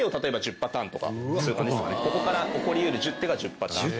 ここから起こりうる１０手が１０パターンとか。